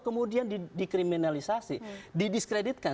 kemudian dikriminalisasi didiskreditkan